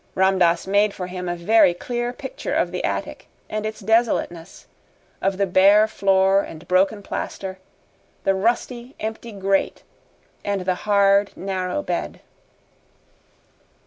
Ram Dass made for him a very clear picture of the attic and its desolateness of the bare floor and broken plaster, the rusty, empty grate, and the hard, narrow bed.